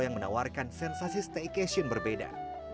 yang menawarkan sensasi staycation berbeda